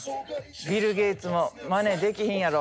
ビル・ゲイツもマネできへんやろ。